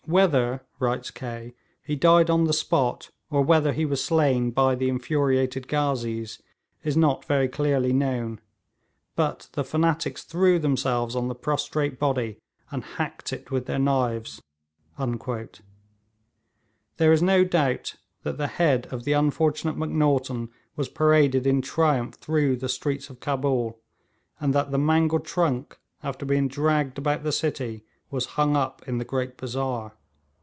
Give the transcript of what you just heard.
'Whether,' writes Kaye, 'he died on the spot, or whether he was slain by the infuriated ghazees, is not very clearly known; but the fanatics threw themselves on the prostrate body and hacked it with their knives.' There is no doubt that the head of the unfortunate Macnaghten was paraded in triumph through the streets of Cabul, and that the mangled trunk, after being dragged about the city, was hung up in the great bazaar.